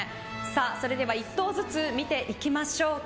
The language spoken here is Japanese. それでは１頭ずつ見ていきましょうか。